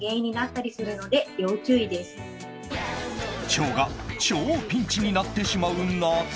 腸が超ピンチになってしまう夏。